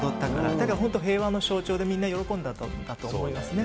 だから本当、平和の象徴でみんな喜んだんだと思いますね。